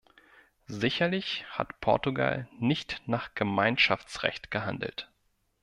Sicherlich hat Portugal nicht nach Gemeinschaftsrecht gehandelt.